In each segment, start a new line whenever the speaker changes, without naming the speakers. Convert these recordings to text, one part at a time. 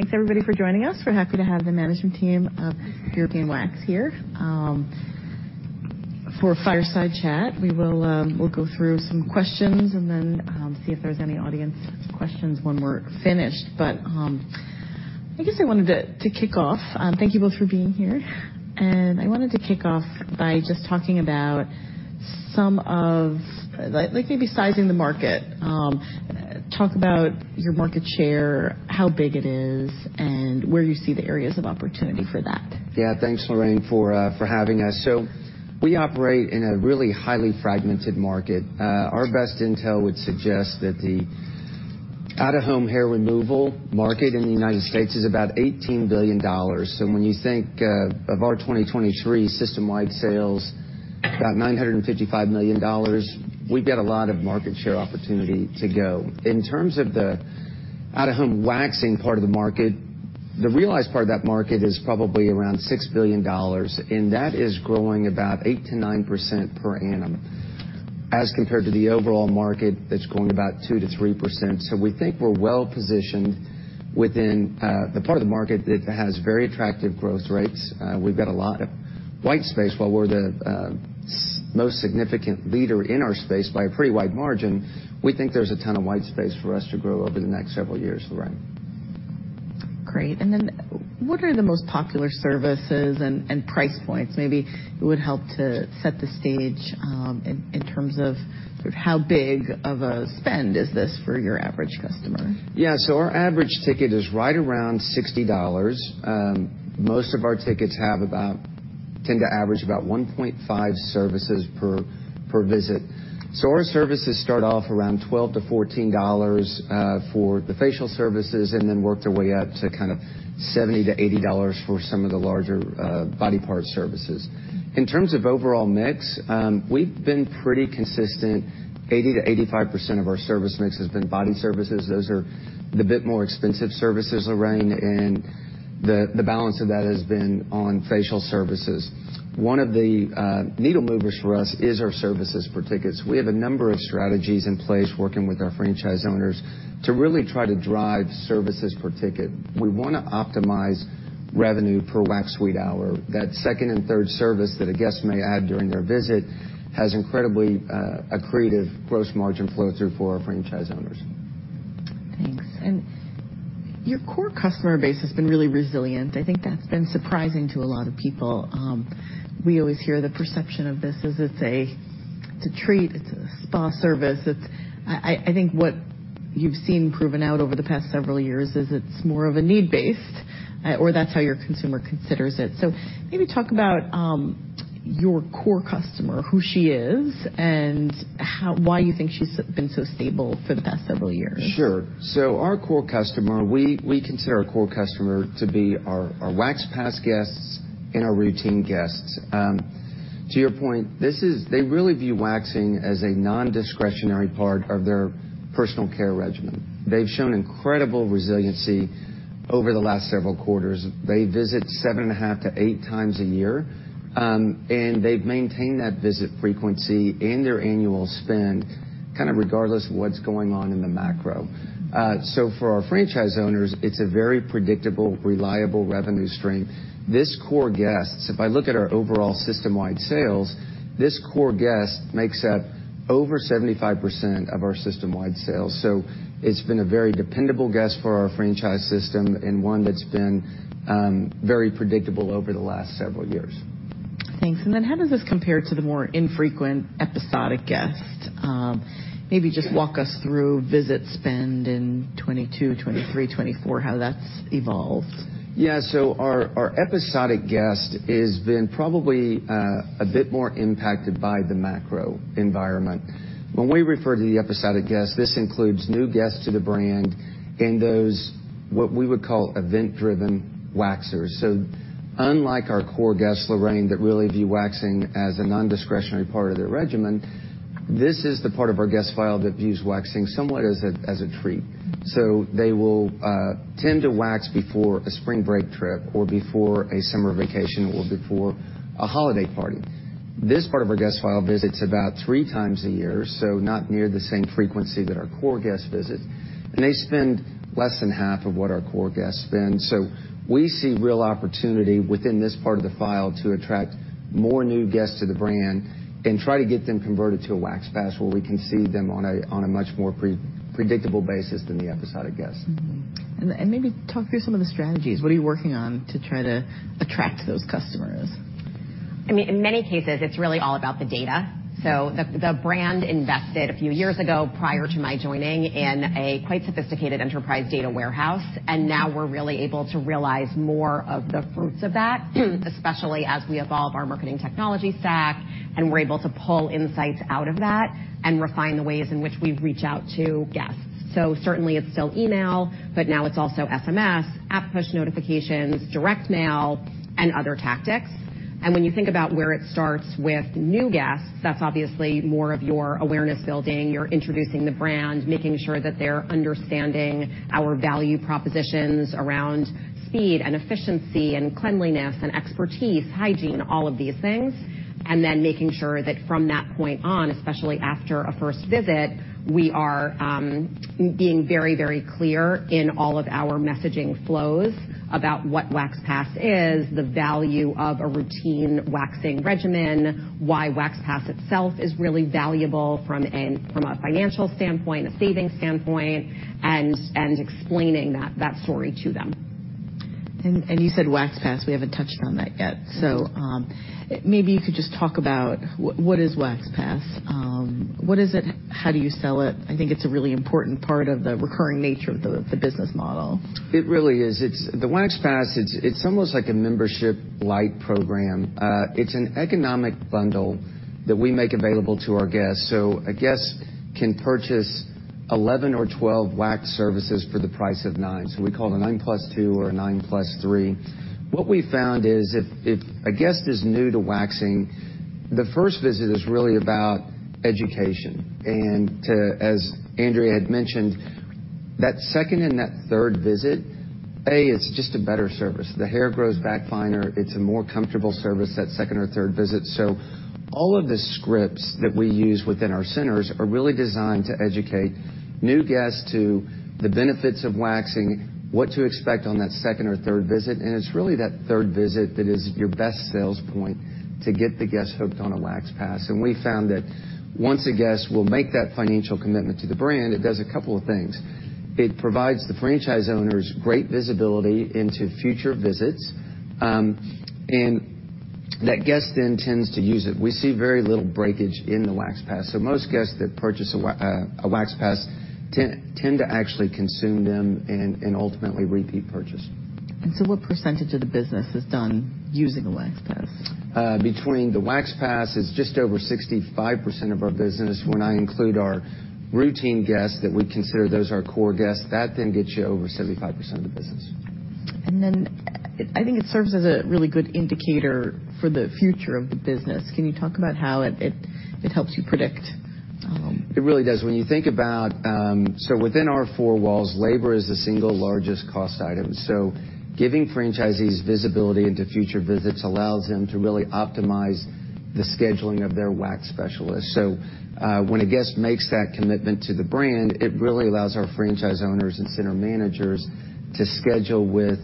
Thanks, everybody, for joining us. We're happy to have the management team of European Wax here for a fireside chat. We will, we'll go through some questions and then see if there's any audience questions when we're finished. But I guess I wanted to, to kick off. Thank you both for being here. And I wanted to kick off by just talking about some of, like, like maybe sizing the market. Talk about your market share, how big it is, and where you see the areas of opportunity for that.
Yeah, thanks, Lorraine, for having us. So we operate in a really highly fragmented market. Our best intel would suggest that the out-of-home hair removal market in the United States is about $18 billion. So when you think of our 2023 system-wide sales, about $955 million, we've got a lot of market share opportunity to go. In terms of the out-of-home waxing part of the market, the realized part of that market is probably around $6 billion, and that is growing about 8%-9% per annum as compared to the overall market that's growing about 2%-3%. So we think we're well positioned within the part of the market that has very attractive growth rates. We've got a lot of white space. While we're the U.S.'s most significant leader in our space by a pretty wide margin, we think there's a ton of white space for us to grow over the next several years, Lorraine.
Great. And then what are the most popular services and price points? Maybe it would help to set the stage, in terms of sort of how big of a spend is this for your average customer?
Yeah, so our average ticket is right around $60. Most of our tickets have about tend to average about 1.5 services per visit. So our services start off around $12-$14 for the facial services and then work their way up to kind of $70-$80 for some of the larger body part services. In terms of overall mix, we've been pretty consistent. 80%-85% of our service mix has been body services. Those are a bit more expensive services, Lorraine, and the balance of that has been on facial services. One of the needle movers for us is our services per tickets. We have a number of strategies in place working with our franchise owners to really try to drive services per ticket. We wanna optimize revenue per wax suite hour. That second and third service that a guest may add during their visit has incredibly, accretive gross margin flow-through for our franchise owners.
Thanks. And your core customer base has been really resilient. I think that's been surprising to a lot of people. We always hear the perception of this as it's a treat. It's a spa service. It's, I think what you've seen proven out over the past several years is it's more of a need-based, or that's how your consumer considers it. So maybe talk about your core customer, who she is, and how why you think she's been so stable for the past several years.
Sure. So our core customer we consider our core customer to be our Wax Pass guests and our routine guests. To your point, this is they really view waxing as a nondiscretionary part of their personal care regimen. They've shown incredible resiliency over the last several quarters. They visit 7.5-8 times a year, and they've maintained that visit frequency and their annual spend kind of regardless of what's going on in the macro. So for our franchise owners, it's a very predictable, reliable revenue stream. This core guests if I look at our overall system-wide sales, this core guest makes up over 75% of our system-wide sales. So it's been a very dependable guest for our franchise system and one that's been very predictable over the last several years.
Thanks. And then how does this compare to the more infrequent, episodic guest? Maybe just walk us through visit spend in 2022, 2023, 2024, how that's evolved.
Yeah, so our episodic guest has been probably a bit more impacted by the macro environment. When we refer to the episodic guest, this includes new guests to the brand and those what we would call event-driven waxers. So unlike our core guests, Lorraine, that really view waxing as a nondiscretionary part of their regimen, this is the part of our guest file that views waxing somewhat as a treat. So they will tend to wax before a spring break trip or before a summer vacation or before a holiday party. This part of our guest file visits about three times a year, so not near the same frequency that our core guests visit. And they spend less than half of what our core guests spend. So we see real opportunity within this part of the file to attract more new guests to the brand and try to get them converted to a Wax Pass where we can see them on a much more predictable basis than the episodic guest.
Mm-hmm. And, maybe talk through some of the strategies. What are you working on to try to attract those customers?
I mean, in many cases, it's really all about the data. So the brand invested a few years ago prior to my joining in a quite sophisticated enterprise data warehouse, and now we're really able to realize more of the fruits of that, especially as we evolve our marketing technology stack and we're able to pull insights out of that and refine the ways in which we reach out to guests. So certainly, it's still email, but now it's also SMS, app push notifications, direct mail, and other tactics. And when you think about where it starts with new guests, that's obviously more of your awareness building. You're introducing the brand, making sure that they're understanding our value propositions around speed and efficiency and cleanliness and expertise, hygiene, all of these things, and then making sure that from that point on, especially after a first visit, we are being very, very clear in all of our messaging flows about what Wax Pass is, the value of a routine waxing regimen, why Wax Pass itself is really valuable from a financial standpoint, a savings standpoint, and explaining that story to them.
And you said Wax Pass. We haven't touched on that yet. So, maybe you could just talk about what is Wax Pass? What is it? How do you sell it? I think it's a really important part of the recurring nature of the business model.
It really is. It's the Wax Pass, it's almost like a membership light program. It's an economic bundle that we make available to our guests. So a guest can purchase 11 or 12 wax services for the price of nine. So we call it a 9+2 or a 9+3. What we found is if a guest is new to waxing, the first visit is really about education. And as Andrea had mentioned, that second and that third visit, it's just a better service. The hair grows back finer. It's a more comfortable service that second or third visit. So all of the scripts that we use within our centers are really designed to educate new guests to the benefits of waxing, what to expect on that second or third visit. It's really that third visit that is your best sales point to get the guest hooked on a Wax Pass. And we found that once a guest will make that financial commitment to the brand, it does a couple of things. It provides the franchise owners great visibility into future visits, and that guest then tends to use it. We see very little breakage in the Wax Pass. So most guests that purchase a Wax Pass tend to actually consume them and ultimately repeat purchase.
What percentage of the business has done using a Wax Pass?
Between the Wax Pass, it's just over 65% of our business. When I include our routine guests that we consider those our core guests, that then gets you over 75% of the business.
And then, I think it serves as a really good indicator for the future of the business. Can you talk about how it helps you predict,
It really does. When you think about so within our four walls, labor is the single largest cost item. So giving franchisees visibility into future visits allows them to really optimize the scheduling of their wax specialists. So, when a guest makes that commitment to the brand, it really allows our franchise owners and center managers to schedule with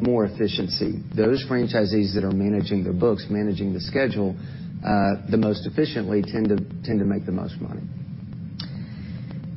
more efficiency. Those franchisees that are managing their books, managing the schedule, the most efficiently tend to make the most money.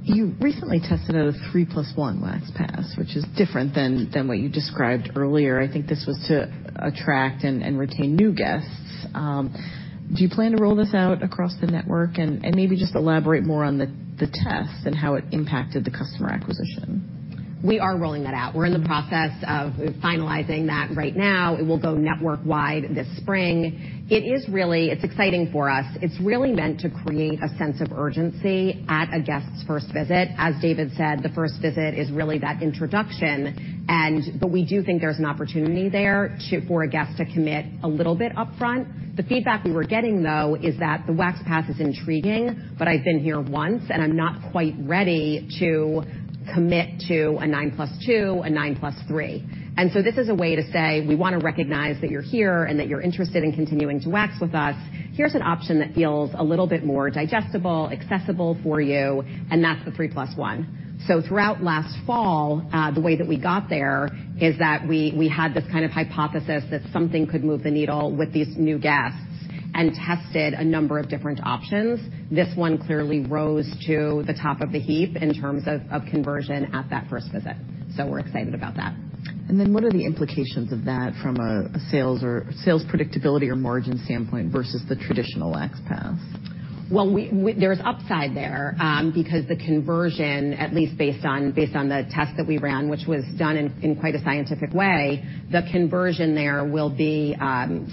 You recently tested out a 3+1Wax Pass, which is different than what you described earlier. I think this was to attract and retain new guests. Do you plan to roll this out across the network and maybe just elaborate more on the test and how it impacted the customer acquisition?
We are rolling that out. We're in the process of finalizing that right now. It will go network-wide this spring. It is really it's exciting for us. It's really meant to create a sense of urgency at a guest's first visit. As David said, the first visit is really that introduction. And but we do think there's an opportunity there to for a guest to commit a little bit upfront. The feedback we were getting, though, is that the wax pass is intriguing, but I've been here once, and I'm not quite ready to commit to a 9+2, a 9+3. And so this is a way to say, "We wanna recognize that you're here and that you're interested in continuing to wax with us. Here's an option that feels a little bit more digestible, accessible for you, and that's the 3+1. So throughout last fall, the way that we got there is that we had this kind of hypothesis that something could move the needle with these new guests and tested a number of different options. This one clearly rose to the top of the heap in terms of conversion at that first visit. So we're excited about that.
What are the implications of that from a sales or sales predictability or margin standpoint versus the traditional wax pass?
Well, there's upside there, because the conversion, at least based on the test that we ran, which was done in quite a scientific way, the conversion there will be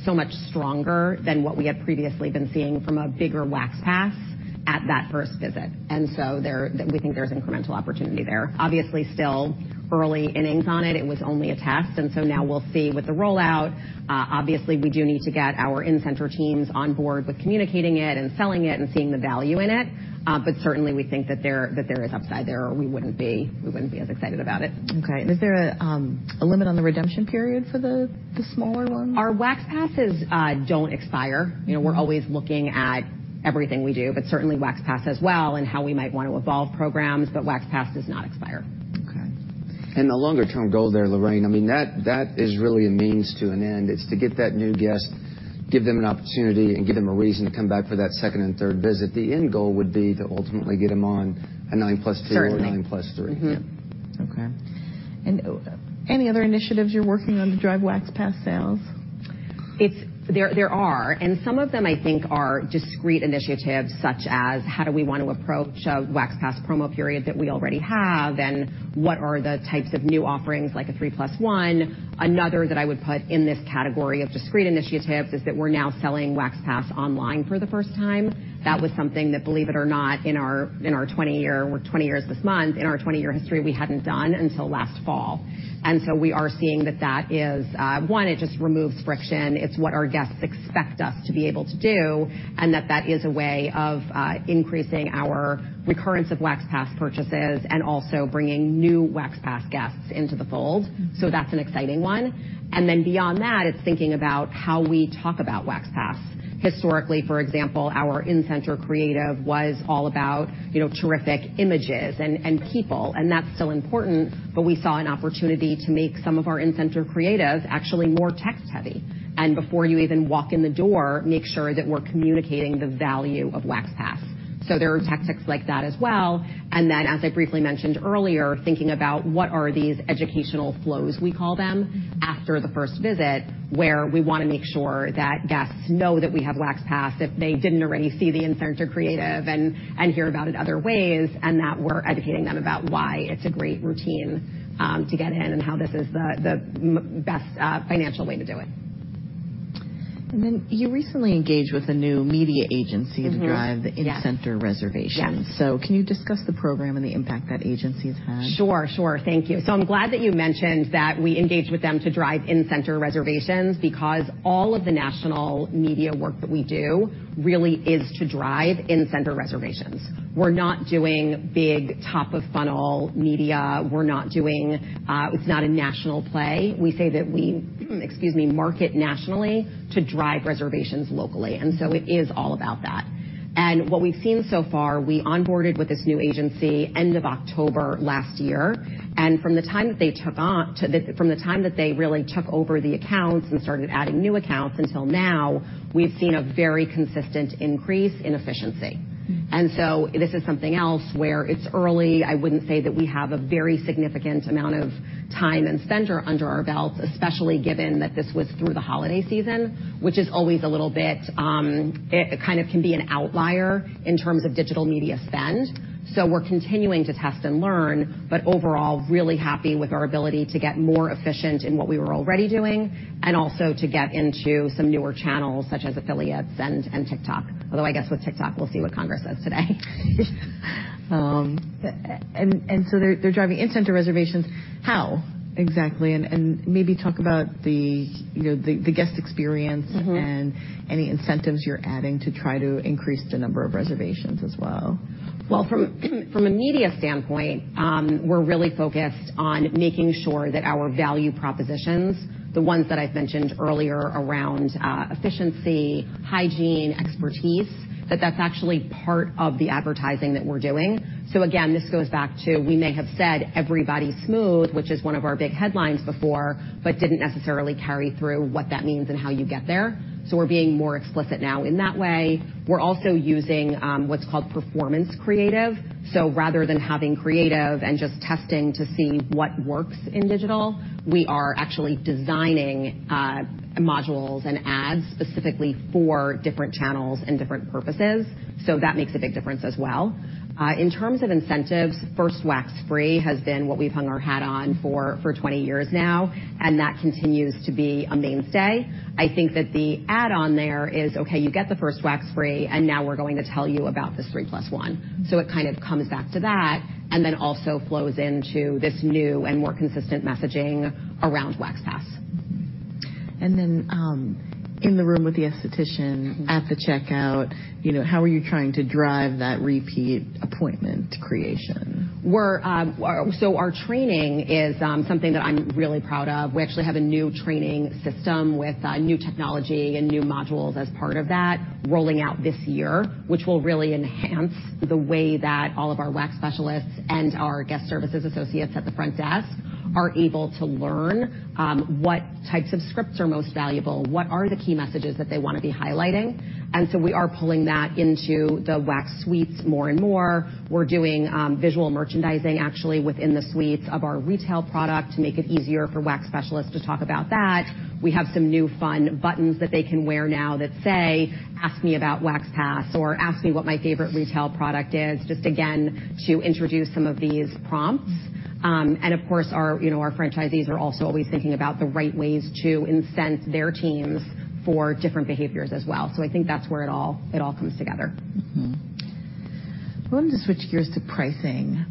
so much stronger than what we had previously been seeing from a bigger wax pass at that first visit. And so we think there's incremental opportunity there. Obviously, still early innings on it. It was only a test. And so now we'll see with the rollout. Obviously, we do need to get our in-center teams on board with communicating it and selling it and seeing the value in it. But certainly, we think that there is upside there, or we wouldn't be as excited about it.
Okay. And is there a limit on the redemption period for the smaller ones?
Our Wax Passes, don't expire. You know, we're always looking at everything we do, but certainly Wax Pass as well and how we might wanna evolve programs. But Wax Pass does not expire.
Okay.
And the longer-term goal there, Lorraine, I mean, that is really a means to an end. It's to get that new guest, give them an opportunity, and give them a reason to come back for that second and third visit. The end goal would be to ultimately get them on a 9+2 or a 9+3.
Mm-hmm.
Yeah.
Okay. Any other initiatives you're working on to drive Wax Pass sales?
It's there. There are. And some of them, I think, are discrete initiatives such as how do we wanna approach Wax Pass promo period that we already have, and what are the types of new offerings like a 3+1. Another that I would put in this category of discrete initiatives is that we're now selling Wax Pass online for the first time. That was something that, believe it or not, we're 20 years this month. In our 20-year history, we hadn't done until last fall. And so we are seeing that is, one, it just removes friction. It's what our guests expect us to be able to do and that is a way of increasing our recurrence of Wax Pass purchases and also bringing new Wax Pass guests into the fold. So that's an exciting one. And then beyond that, it's thinking about how we talk about Wax Pass. Historically, for example, our in-center creative was all about, you know, terrific images and people. And that's still important, but we saw an opportunity to make some of our in-center creative actually more text-heavy. And before you even walk in the door, make sure that we're communicating the value of Wax Pass. So there are tactics like that as well. And then, as I briefly mentioned earlier, thinking about what are these educational flows, we call them, after the first visit where we wanna make sure that guests know that we have Wax Pass if they didn't already see the in-center creative and hear about it other ways and that we're educating them about why it's a great routine to get in and how this is the most best financial way to do it.
And then you recently engaged with a new media agency to drive the in-center reservations.
Yes.
Can you discuss the program and the impact that agency's had?
Sure, sure. Thank you. So I'm glad that you mentioned that we engaged with them to drive in-center reservations because all of the national media work that we do really is to drive in-center reservations. We're not doing big top-of-funnel media. We're not doing it. It's not a national play. We say that we, excuse me, market nationally to drive reservations locally. And so it is all about that. And what we've seen so far, we onboarded with this new agency end of October last year. And from the time that they really took over the accounts and started adding new accounts until now, we've seen a very consistent increase in efficiency. And so this is something else where it's early. I wouldn't say that we have a very significant amount of time and spender under our belts, especially given that this was through the holiday season, which is always a little bit, kind of can be an outlier in terms of digital media spend. So we're continuing to test and learn, but overall, really happy with our ability to get more efficient in what we were already doing and also to get into some newer channels such as affiliates and TikTok. Although I guess with TikTok, we'll see what Congress says today.
And so they're driving in-center reservations. How exactly? And maybe talk about, you know, the guest experience.
Mm-hmm.
Any incentives you're adding to try to increase the number of reservations as well?
Well, from a media standpoint, we're really focused on making sure that our value propositions, the ones that I've mentioned earlier around efficiency, hygiene, expertise, that that's actually part of the advertising that we're doing. So again, this goes back to we may have said everybody's smooth, which is one of our big headlines before, but didn't necessarily carry through what that means and how you get there. So we're being more explicit now in that way. We're also using what's called performance creative. So rather than having creative and just testing to see what works in digital, we are actually designing modules and ads specifically for different channels and different purposes. So that makes a big difference as well. In terms of incentives, First Wax Free has been what we've hung our hat on for 20 years now, and that continues to be a mainstay. I think that the add-on there is, okay, you get the First Wax Free, and now we're going to tell you about this 3+1. So it kind of comes back to that and then also flows into this new and more consistent messaging around Wax Pass.
And then, in the room with the esthetician at the checkout, you know, how are you trying to drive that repeat appointment creation?
So our training is something that I'm really proud of. We actually have a new training system with new technology and new modules as part of that rolling out this year, which will really enhance the way that all of our wax specialists and our guest services associates at the front desk are able to learn what types of scripts are most valuable, what are the key messages that they wanna be highlighting. So we are pulling that into the wax suites more and more. We're doing visual merchandising actually within the suites of our retail product to make it easier for wax specialists to talk about that. We have some new fun buttons that they can wear now that say, "Ask me about Wax Pass," or "Ask me what my favorite retail product is," just again to introduce some of these prompts. And of course, our, you know, our franchisees are also always thinking about the right ways to incent their teams for different behaviors as well. So I think that's where it all comes together.
Mm-hmm. Well, I'm gonna switch gears to pricing.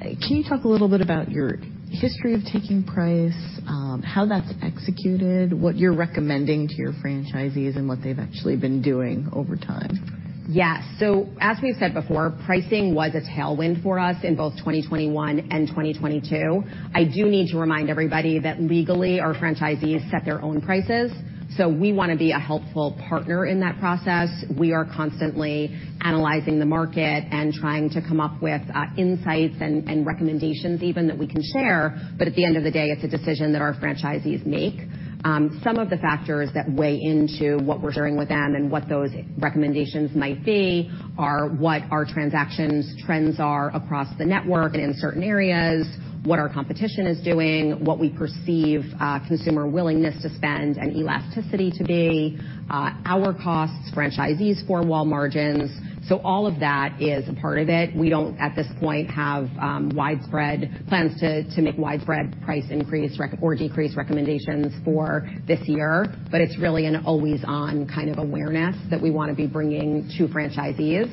Can you talk a little bit about your history of taking price, how that's executed, what you're recommending to your franchisees, and what they've actually been doing over time?
Yes. So as we've said before, pricing was a tailwind for us in both 2021 and 2022. I do need to remind everybody that legally, our franchisees set their own prices. So we wanna be a helpful partner in that process. We are constantly analyzing the market and trying to come up with insights and recommendations even that we can share. But at the end of the day, it's a decision that our franchisees make. Some of the factors that weigh into what we're sharing with them and what those recommendations might be are what our transactions trends are across the network and in certain areas, what our competition is doing, what we perceive consumer willingness to spend and elasticity to be, our costs, franchisees' four-wall margins. So all of that is a part of it. We don't at this point have widespread plans to make widespread price increase or decrease recommendations for this year. But it's really an always-on kind of awareness that we wanna be bringing to franchisees.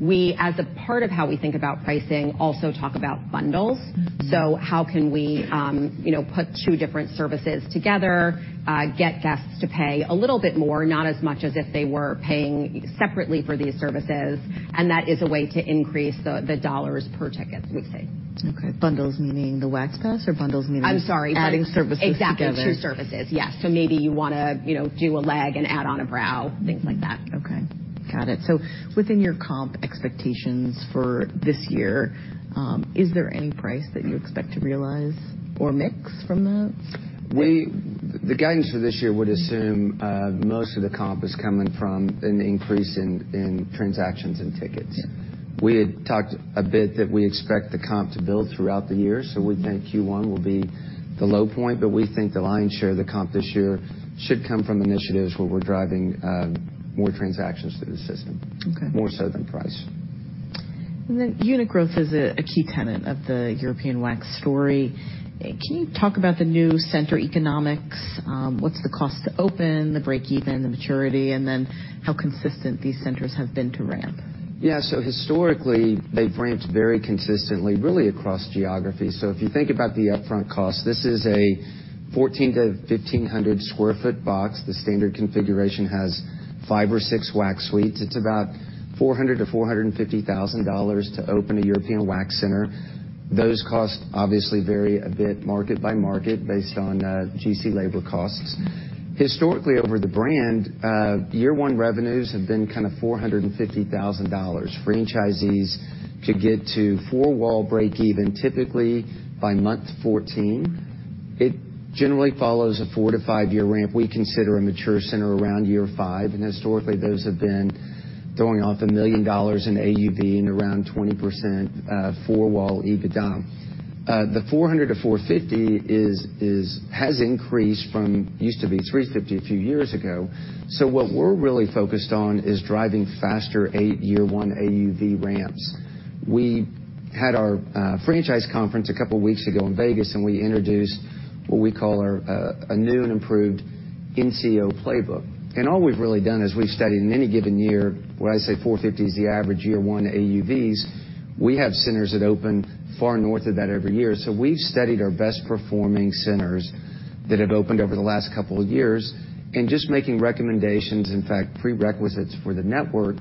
We, as a part of how we think about pricing, also talk about bundles. So how can we, you know, put two different services together, get guests to pay a little bit more, not as much as if they were paying separately for these services? And that is a way to increase the dollars per ticket, we say.
Okay. Bundles meaning the Wax Pass or bundles meaning.
I'm sorry.
Adding services together?
Exactly. Two services. Yes. So maybe you wanna, you know, do a leg and add on a brow, things like that.
Okay. Got it. So within your comp expectations for this year, is there any price that you expect to realize or mix from the?
With the gains for this year, we would assume most of the comp is coming from an increase in transactions and tickets. We had talked a bit that we expect the comp to build throughout the year. So we think Q1 will be the low point. But we think the lion's share of the comp this year should come from initiatives where we're driving more transactions through the system.
Okay.
More so than price.
And then unit growth is a key tenet of the European Wax story. Can you talk about the new center economics? What's the cost to open, the break-even, the maturity, and then how consistent these centers have been to ramp?
Yeah. So historically, they've ramped very consistently, really, across geography. So if you think about the upfront cost, this is a 1,400-1,500 sq ft box. The standard configuration has five or six wax suites. It's about $400,000-$450,000 to open a European Wax Center. Those costs obviously vary a bit market by market based on GC labor costs. Historically, over the brand, year-one revenues have been kind of $450,000, franchisees to get to four-wall break-even typically by month 14. It generally follows a four to five-year ramp. We consider a mature center around year five. And historically, those have been throwing off $1 million in AUV and around 20% four-wall EBITDA. The $400,000-$450,000 has increased from used to be $350,000 a few years ago. So what we're really focused on is driving faster eight-year-one AUV ramps. We had our franchise conference a couple of weeks ago in Vegas, and we introduced what we call our new and improved NCO playbook. All we've really done is we've studied in any given year when I say 450 is the average year-one AUVs; we have centers that open far north of that every year. So we've studied our best-performing centers that have opened over the last couple of years and just making recommendations, in fact, prerequisites for the network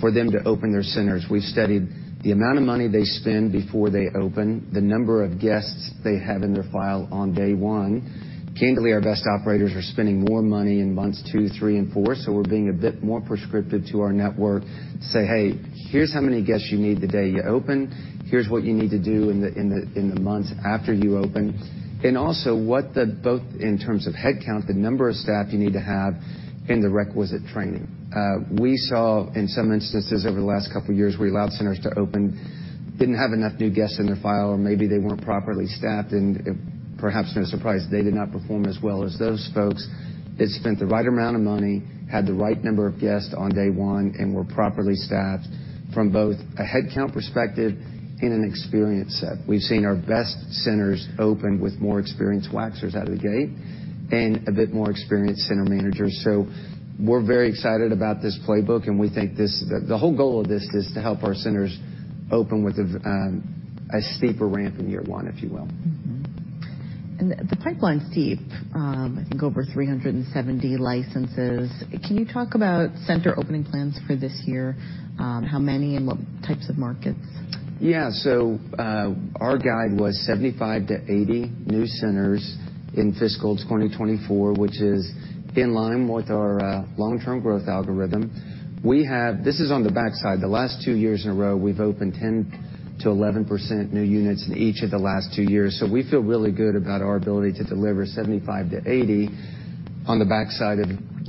for them to open their centers. We've studied the amount of money they spend before they open, the number of guests they have in their file on day one. Candidly, our best operators are spending more money in months two, three, and four. So we're being a bit more prescriptive to our network, say, "Hey, here's how many guests you need the day you open. Here's what you need to do in the months after you open. And also what the both in terms of headcount, the number of staff you need to have and the requisite training. We saw in some instances over the last couple of years, we allowed centers to open, didn't have enough new guests in their file, or maybe they weren't properly staffed. And it perhaps no surprise they did not perform as well as those folks that spent the right amount of money, had the right number of guests on day one, and were properly staffed from both a headcount perspective and an experience set. We've seen our best centers open with more experienced waxers out of the gate and a bit more experienced center managers. So we're very excited about this playbook, and we think this, the whole goal of this is to help our centers open with a steeper ramp in year one, if you will.
Mm-hmm. And the pipeline's deep. I think over 370 licenses. Can you talk about center opening plans for this year, how many and what types of markets?
Yeah. So, our guide was 75-80 new centers in fiscal 2024, which is in line with our long-term growth algorithm. We have this is on the backside. The last two years in a row, we've opened 10%-11% new units in each of the last two years. So we feel really good about our ability to deliver 75-80 on the backside of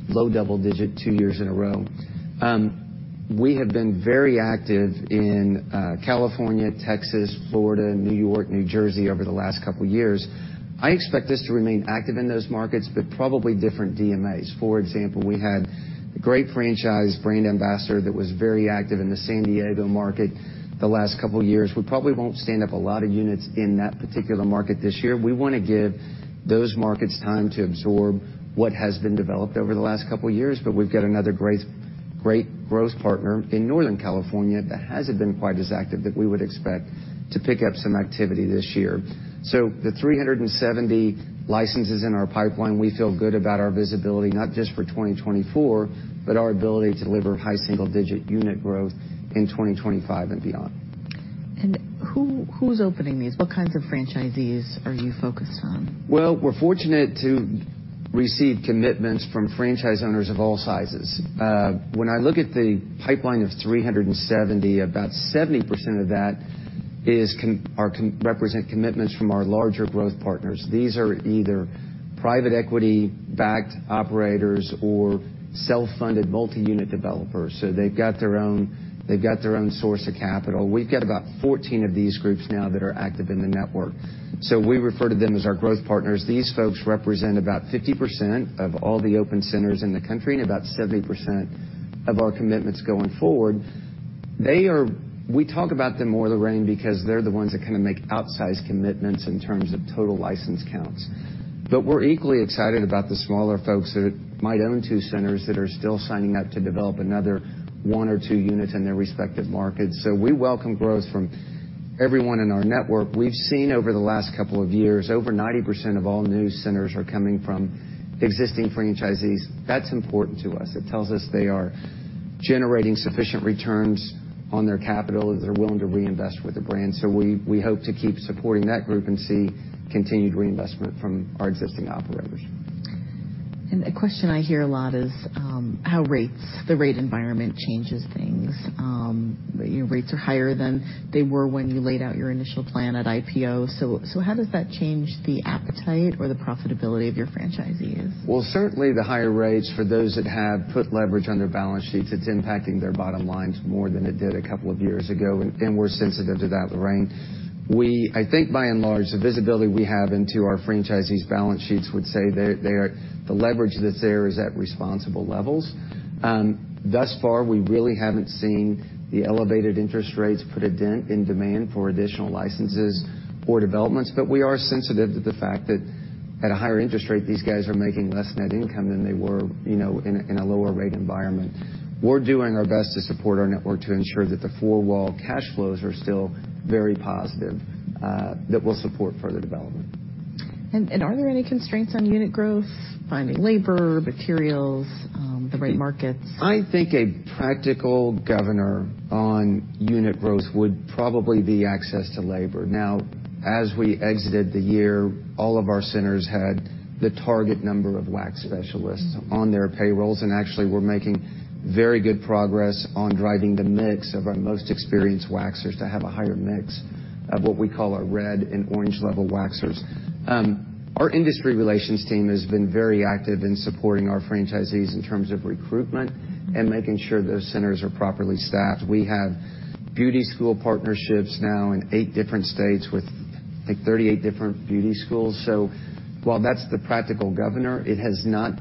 low-double-digit two years in a row. We have been very active in California, Texas, Florida, New York, New Jersey over the last couple of years. I expect this to remain active in those markets but probably different DMAs. For example, we had the great franchise brand ambassador that was very active in the San Diego market the last couple of years. We probably won't stand up a lot of units in that particular market this year. We wanna give those markets time to absorb what has been developed over the last couple of years. But we've got another great, great growth partner in Northern California that hasn't been quite as active that we would expect to pick up some activity this year. So the 370 licenses in our pipeline, we feel good about our visibility, not just for 2024, but our ability to deliver high single-digit unit growth in 2025 and beyond.
Who, who's opening these? What kinds of franchisees are you focused on?
Well, we're fortunate to receive commitments from franchise owners of all sizes. When I look at the pipeline of 370, about 70% of that is which represent commitments from our larger growth partners. These are either private equity-backed operators or self-funded multi-unit developers. So they've got their own source of capital. We've got about 14 of these groups now that are active in the network. So we refer to them as our growth partners. These folks represent about 50% of all the open centers in the country and about 70% of our commitments going forward. They are. We talk about them more as the rainmakers because they're the ones that kinda make outsized commitments in terms of total license counts. We're equally excited about the smaller folks that might own two centers that are still signing up to develop another one or two units in their respective markets. So we welcome growth from everyone in our network. We've seen over the last couple of years, over 90% of all new centers are coming from existing franchisees. That's important to us. It tells us they are generating sufficient returns on their capital and they're willing to reinvest with the brand. So we hope to keep supporting that group and see continued reinvestment from our existing operators.
A question I hear a lot is, how the rate environment changes things. You know, rates are higher than they were when you laid out your initial plan at IPO. So how does that change the appetite or the profitability of your franchisees?
Well, certainly, the higher rates for those that have put leverage on their balance sheets, it's impacting their bottom lines more than it did a couple of years ago. And we're sensitive to that, Lorraine. We, I think by and large, the visibility we have into our franchisees' balance sheets would say they, the leverage that's there is at responsible levels. Thus far, we really haven't seen the elevated interest rates put a dent in demand for additional licenses or developments. But we are sensitive to the fact that at a higher interest rate, these guys are making less net income than they were, you know, in a lower-rate environment. We're doing our best to support our network to ensure that the four-wall cash flows are still very positive, that will support further development.
And, are there any constraints on unit growth, finding labor, materials, the right markets?
I think a practical governor on unit growth would probably be access to labor. Now, as we exited the year, all of our centers had the target number of wax specialists on their payrolls. And actually, we're making very good progress on driving the mix of our most experienced waxers to have a higher mix of what we call our Red and Orange-level waxers. Our industry relations team has been very active in supporting our franchisees in terms of recruitment and making sure those centers are properly staffed. We have beauty school partnerships now in eight different states with, I think, 38 different beauty schools. So while that's the practical governor, it has not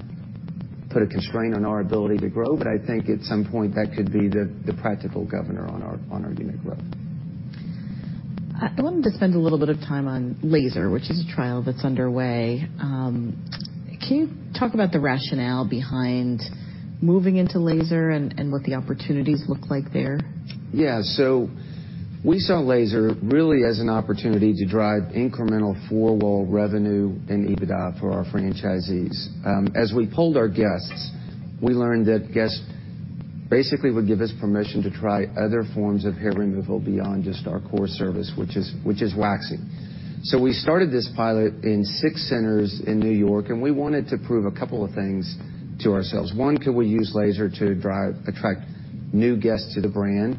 put a constraint on our ability to grow. But I think at some point, that could be the practical governor on our unit growth.
I wanted to spend a little bit of time on laser, which is a trial that's underway. Can you talk about the rationale behind moving into laser and what the opportunities look like there?
Yeah. So we saw laser really as an opportunity to drive incremental four-wall revenue and EBITDA for our franchisees. As we polled our guests, we learned that guests basically would give us permission to try other forms of hair removal beyond just our core service, which is which is waxing. So we started this pilot in six centers in New York, and we wanted to prove a couple of things to ourselves. One, could we use laser to drive attract new guests to the brand?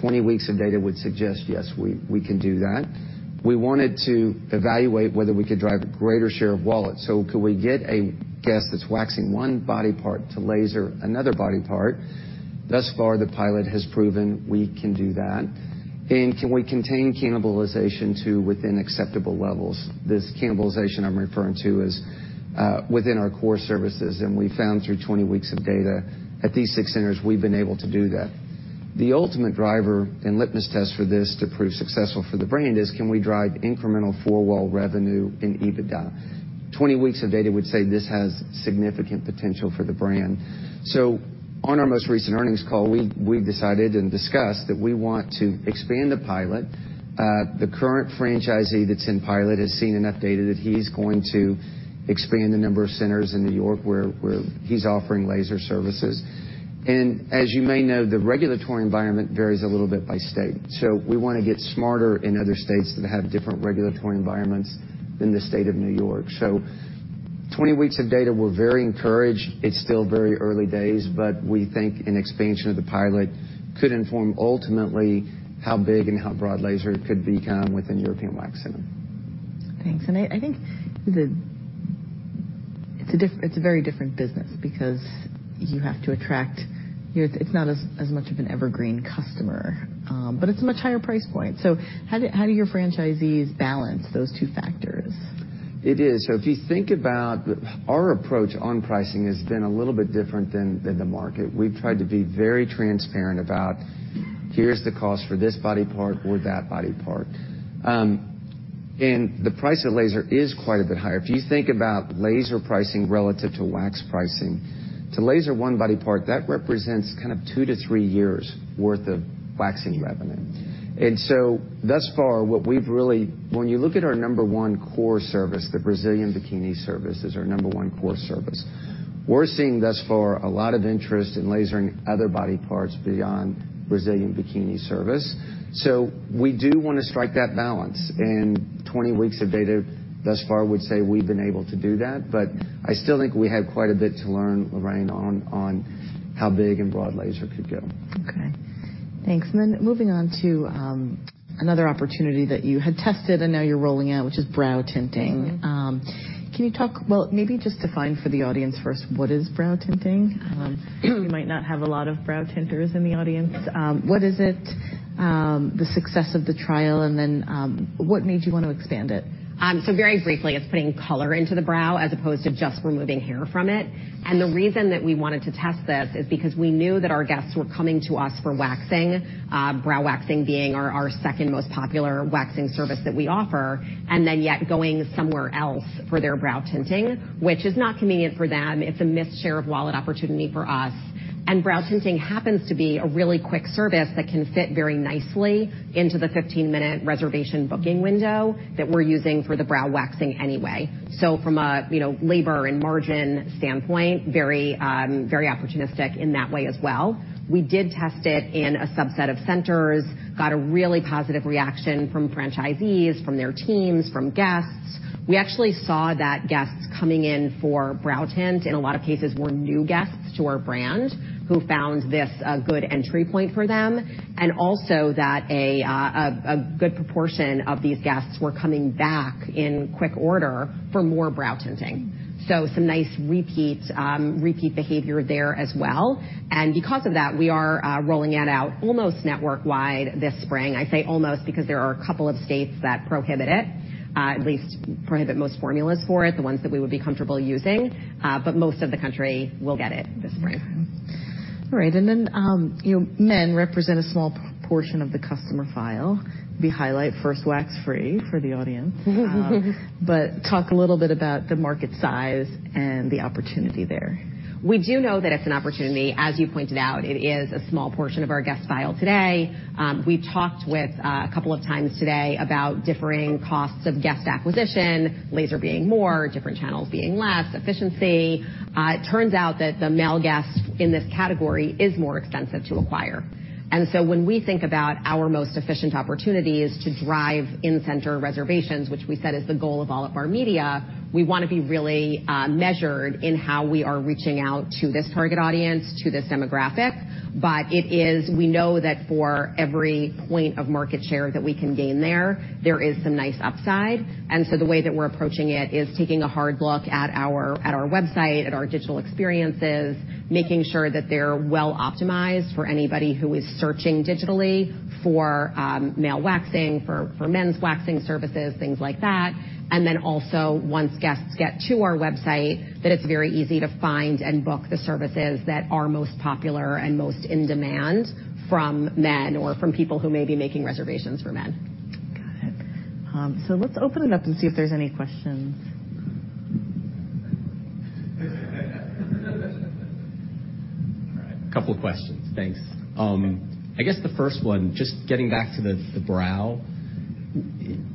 20 weeks of data would suggest, yes, we, we can do that. We wanted to evaluate whether we could drive a greater share of wallet. So could we get a guest that's waxing one body part to laser another body part? Thus far, the pilot has proven we can do that. And can we contain cannibalization to within acceptable levels? This cannibalization, I'm referring to as within our core services. We found through 20 weeks of data at these 6 centers, we've been able to do that. The ultimate driver and litmus test for this to prove successful for the brand is can we drive incremental four-wall revenue and EBITDA? 20 weeks of data would say this has significant potential for the brand. On our most recent earnings call, we, we decided and discussed that we want to expand the pilot. The current franchisee that's in pilot has seen enough data that he's going to expand the number of centers in New York where, where he's offering laser services. As you may know, the regulatory environment varies a little bit by state. We wanna get smarter in other states that have different regulatory environments than the state of New York. 20 weeks of data, we're very encouraged. It's still very early days. We think an expansion of the pilot could inform ultimately how big and how broad laser could become within European Wax Center.
Thanks. And I think it's a very different business because you have to attract. It's not as much of an evergreen customer, but it's a much higher price point. So how do your franchisees balance those two factors?
It is. So if you think about our approach on pricing has been a little bit different than the market. We've tried to be very transparent about, "Here's the cost for this body part or that body part," and the price of laser is quite a bit higher. If you think about laser pricing relative to wax pricing, to laser one body part, that represents kind of two-three years' worth of waxing revenue. And so thus far, what we've really when you look at our number one core service, the Brazilian bikini service is our number one core service. We're seeing thus far a lot of interest in lasering other body parts beyond Brazilian bikini service. So we do wanna strike that balance. And 20 weeks of data thus far would say we've been able to do that. But I still think we have quite a bit to learn, Lorraine, on how big and broad laser could go.
Okay. Thanks. And then moving on to another opportunity that you had tested and now you're rolling out, which is brow tinting. Can you talk, well, maybe just define for the audience first, what is brow tinting? You might not have a lot of brow tinters in the audience. What is it, the success of the trial? And then, what made you wanna expand it?
So very briefly, it's putting color into the brow as opposed to just removing hair from it. And the reason that we wanted to test this is because we knew that our guests were coming to us for waxing, brow waxing being our, our second most popular waxing service that we offer, and then yet going somewhere else for their brow tinting, which is not convenient for them. It's a missed share of wallet opportunity for us. And brow tinting happens to be a really quick service that can fit very nicely into the 15-minute reservation booking window that we're using for the brow waxing anyway. So from a, you know, labor and margin standpoint, very, very opportunistic in that way as well. We did test it in a subset of centers, got a really positive reaction from franchisees, from their teams, from guests. We actually saw that guests coming in for brow tint in a lot of cases were new guests to our brand who found this a good entry point for them and also that a good proportion of these guests were coming back in quick order for more brow tinting. So some nice repeat behavior there as well. And because of that, we are rolling it out almost network-wide this spring. I say almost because there are a couple of states that prohibit it, at least prohibit most formulas for it, the ones that we would be comfortable using. But most of the country will get it this spring.
Okay. All right. And then, you know, men represent a small proportion of the customer file. We highlight First Wax Free for the audience. But talk a little bit about the market size and the opportunity there.
We do know that it's an opportunity. As you pointed out, it is a small portion of our guest file today. We talked a couple of times today about differing costs of guest acquisition, laser being more, different channels being less, efficiency. It turns out that the male guest in this category is more expensive to acquire. And so when we think about our most efficient opportunities to drive in-center reservations, which we said is the goal of all of our media, we wanna be really measured in how we are reaching out to this target audience, to this demographic. But it is. We know that for every point of market share that we can gain there, there is some nice upside. And so the way that we're approaching it is taking a hard look at our website, at our digital experiences, making sure that they're well optimized for anybody who is searching digitally for male waxing, for men's waxing services, things like that. And then also, once guests get to our website, that it's very easy to find and book the services that are most popular and most in demand from men or from people who may be making reservations for men.
Got it. So let's open it up and see if there's any questions.
All right. Couple of questions. Thanks. I guess the first one, just getting back to the brow.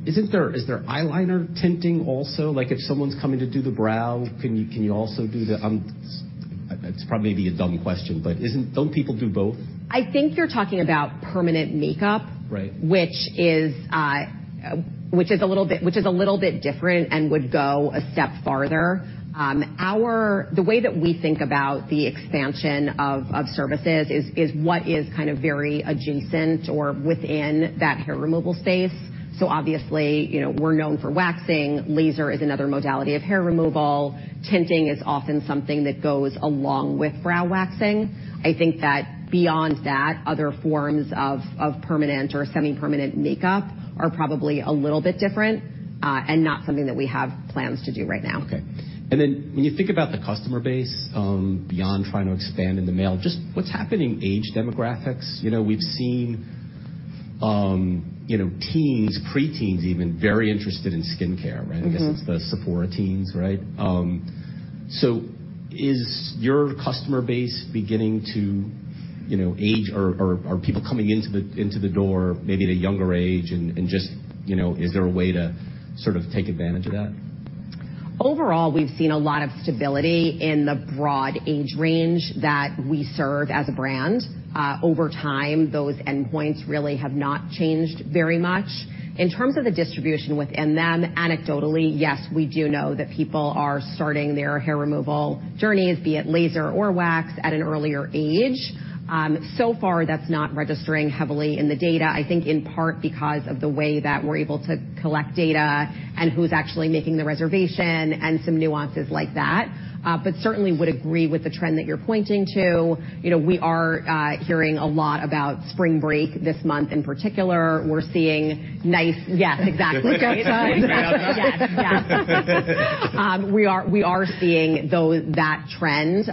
Isn't there eyeliner tinting also? Like, if someone's coming to do the brow, can you also do it? It's probably maybe a dumb question. But isn't, don't people do both?
I think you're talking about permanent makeup.
Right.
Which is a little bit different and would go a step farther. Or the way that we think about the expansion of services is what is kind of very adjacent or within that hair removal space. So obviously, you know, we're known for waxing. Laser is another modality of hair removal. Tinting is often something that goes along with brow waxing. I think that beyond that, other forms of permanent or semi-permanent makeup are probably a little bit different, and not something that we have plans to do right now.
Okay. Then when you think about the customer base, beyond trying to expand in the male, just what's happening age demographics? You know, we've seen, you know, teens, preteens even very interested in skincare, right? I guess it's the Sephora teens, right? So is your customer base beginning to, you know, age or, or, are people coming into the door maybe at a younger age and, and just, you know, is there a way to sort of take advantage of that?
Overall, we've seen a lot of stability in the broad age range that we serve as a brand. Over time, those endpoints really have not changed very much. In terms of the distribution within them, anecdotally, yes, we do know that people are starting their hair removal journeys, be it laser or wax, at an earlier age. So far, that's not registering heavily in the data, I think in part because of the way that we're able to collect data and who's actually making the reservation and some nuances like that. But certainly would agree with the trend that you're pointing to. You know, we are hearing a lot about spring break this month in particular. We're seeing nice yes, exactly.
Yes.
We are seeing that trend,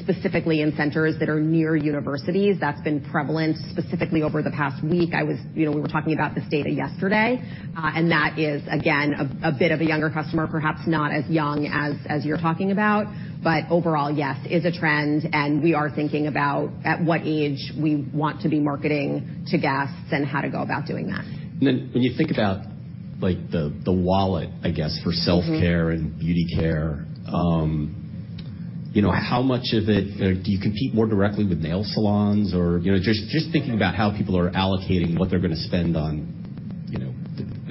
specifically in centers that are near universities. That's been prevalent specifically over the past week. I was, you know, we were talking about this data yesterday. And that is, again, a bit of a younger customer, perhaps not as young as you're talking about. But overall, yes, is a trend. And we are thinking about at what age we want to be marketing to guests and how to go about doing that.
And then when you think about, like, the wallet, I guess, for self-care and beauty care, you know, how much of it do you compete more directly with nail salons or, you know, just thinking about how people are allocating what they're gonna spend on,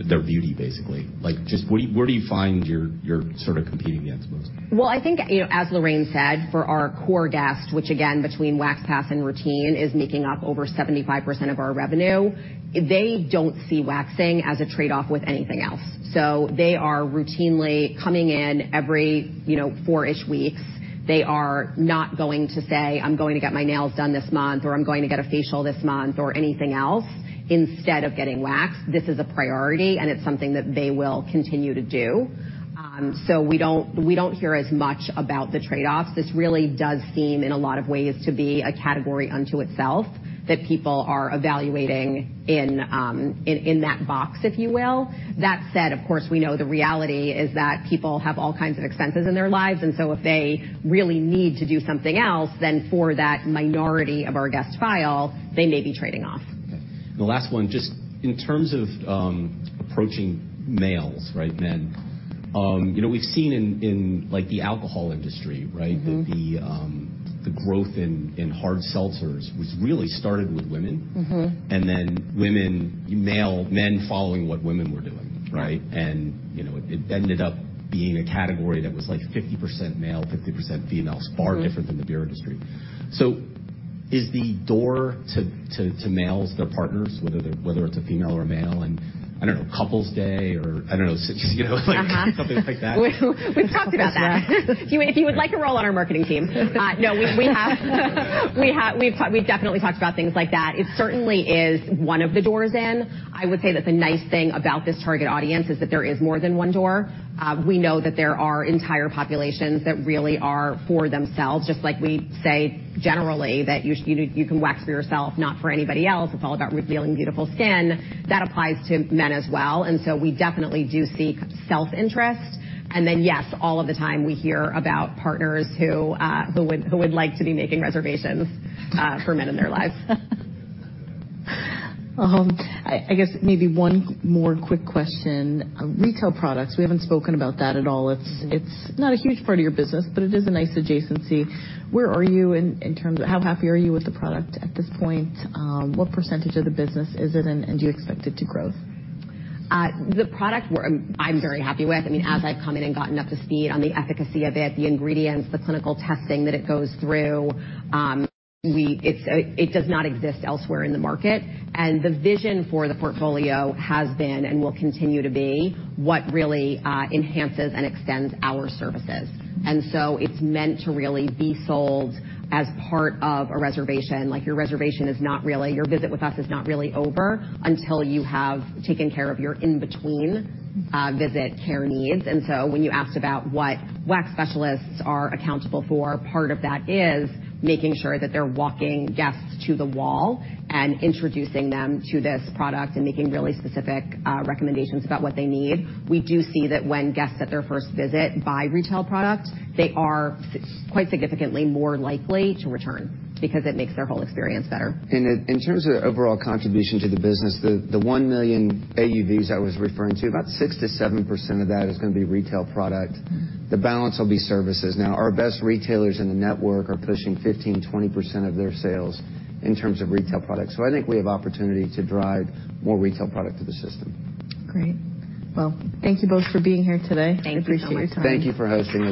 you know, their beauty basically, like, what do you, where do you find your sort of competing against most?
Well, I think, you know, as Lorraine said, for our core guest, which again, between Wax Pass and routine, is making up over 75% of our revenue, they don't see waxing as a trade-off with anything else. So they are routinely coming in every, you know, four-ish weeks. They are not going to say, "I'm going to get my nails done this month," or, "I'm going to get a facial this month," or anything else instead of getting wax. This is a priority, and it's something that they will continue to do. So we don't hear as much about the trade-offs. This really does seem in a lot of ways to be a category unto itself that people are evaluating in that box, if you will. That said, of course, we know the reality is that people have all kinds of expenses in their lives. And so if they really need to do something else, then for that minority of our guest file, they may be trading off.
Okay. The last one, just in terms of approaching males, right, men, you know, we've seen in like the alcohol industry, right, that the growth in hard seltzers was really started with women.
Mm-hmm.
Then women male men following what women were doing, right? You know, it, it ended up being a category that was like 50% male, 50% female, far different than the beer industry. Is the door to, to, to males, their partners, whether they're whether it's a female or a male, and I don't know, Couples' Day or I don't know, you know, like, something like that?
We've talked about that. If you would like a role on our marketing team, no, we've definitely talked about things like that. It certainly is one of the doors in. I would say that the nice thing about this target audience is that there is more than one door. We know that there are entire populations that really are for themselves, just like we say generally that you, you know, you can wax for yourself, not for anybody else. It's all about revealing beautiful skin. That applies to men as well. And so we definitely do seek self-interest. And then yes, all of the time, we hear about partners who would like to be making reservations for men in their lives.
I guess maybe one more quick question. Retail products, we haven't spoken about that at all. It's not a huge part of your business, but it is a nice adjacency. Where are you in terms of how happy are you with the product at this point? What percentage of the business is it, and do you expect it to grow?
The product I'm very happy with. I mean, as I've come in and gotten up to speed on the efficacy of it, the ingredients, the clinical testing that it goes through, it's a. It does not exist elsewhere in the market. And the vision for the portfolio has been and will continue to be what really enhances and extends our services. And so it's meant to really be sold as part of a reservation. Like, your reservation is not really your visit with us is not really over until you have taken care of your in-between visit care needs. And so when you asked about what wax specialists are accountable for, part of that is making sure that they're walking guests to the wall and introducing them to this product and making really specific recommendations about what they need. We do see that when guests at their first visit buy retail product, they are quite significantly more likely to return because it makes their whole experience better.
In terms of overall contribution to the business, the $1 million AUVs I was referring to, about 6%-7% of that is gonna be retail product. The balance will be services. Now, our best retailers in the network are pushing 15%, 20% of their sales in terms of retail product. I think we have opportunity to drive more retail product to the system.
Great. Well, thank you both for being here today.
Thank you so much.
I appreciate your time.
Thank you for hosting us.